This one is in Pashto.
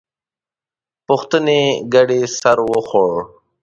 پوښتنې ګډې سر وخوړ.